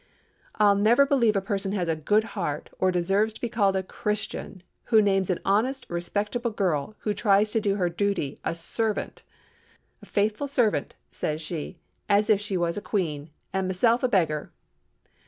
"I'll never believe a person has a good heart, or deserves to be called a Christian, who names an honest, respectable girl, who tries to do her duty, a servant! 'A faithful servant!' says she; 'as if she was a queen, and meself a beggar!